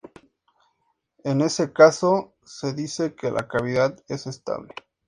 En ese caso, se dice que la cavidad es "estable".